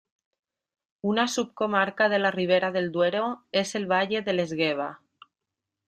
Una subcomarca de la Ribera del Duero es el Valle del Esgueva.